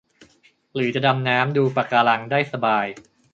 หรือจะดำน้ำดูปะการังได้สบาย